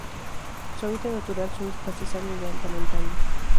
Su hábitat natural son los pastizales de alta montaña.